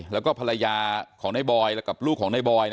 แล้วก็ภรรยาของในบอยกับลูกของในบอย